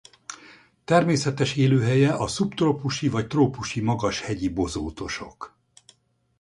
Természetes élőhelye a szubtrópusi vagy trópusi magashegyi bozótosok.